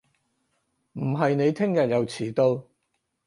唔係你聽日又遲到